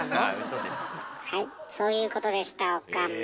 はいそういうことでした岡村。